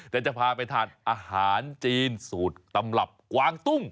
แต่จะพาไปทานอาหารจีนสูตรตำรับกวางตุ้ง